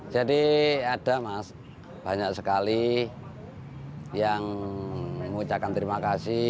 jadi ada mas banyak sekali yang mengucapkan terima kasih